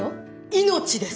命です！